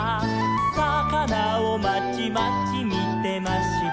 「さかなをまちまちみてました」